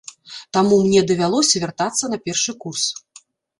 Таму мне давялося вяртацца на першы курс.